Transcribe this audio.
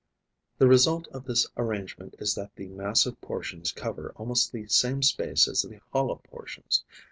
The result of this arrangement is that the massive portions cover almost the same space as the hollow portions.